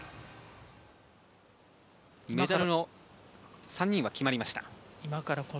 メダルの３人は決まりました。